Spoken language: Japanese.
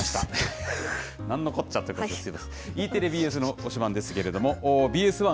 なんのこっちゃということですが。